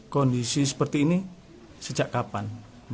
kondisi seperti ini sejak kapan